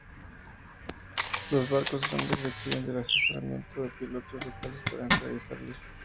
Los barcos grandes requieren del asesoramiento de pilotos locales para entrar y salir.